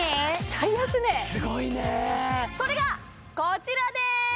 最安値すごいねそれがこちらです